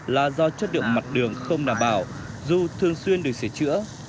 là do chất lượng mặt đường không đảm bảo dù thường xuyên được sửa chữa